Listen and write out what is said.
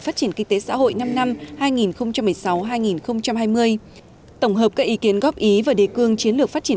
phát triển kinh tế xã hội năm năm hai nghìn một mươi sáu hai nghìn hai mươi tổng hợp các ý kiến góp ý và đề cương chiến lược phát triển